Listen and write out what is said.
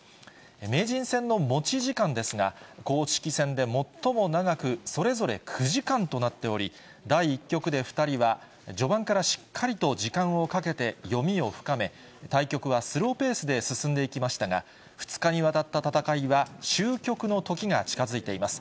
名人戦の持ち時間ですが、公式戦で最も長く、それぞれ９時間となっており、第１局で２人は、序盤からしっかりと時間をかけて読みを深め、対局はスローペースで進んでいきましたが、２日にわたった戦いは、終局のときが近づいています。